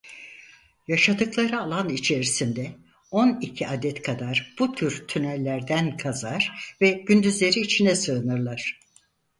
Yaşadıkları alan içerisinde on iki adet kadar bu tür tünellerden kazar ve gündüzleri içine sığınırlar.